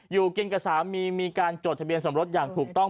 อยู่กินกับสามีมีการจดทะเบียนสมรสอย่างถูกต้อง